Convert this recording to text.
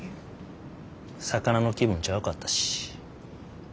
魚の気分ちゃうかったし。